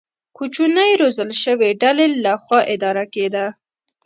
کوچنۍ روزل شوې ډلې له خوا اداره کېده.